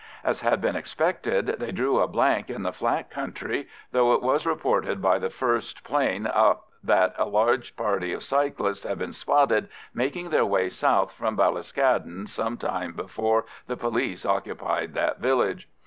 As had been expected, they drew a blank in the flat country, though it was reported by the first 'plane up that a large party of cyclists had been spotted making their way south from Ballyscadden some time before the police occupied that village.